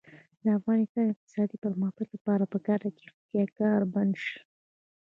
د افغانستان د اقتصادي پرمختګ لپاره پکار ده چې احتکار بند شي.